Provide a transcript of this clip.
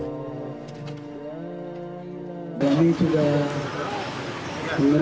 kami sudah mengenal satu sama lain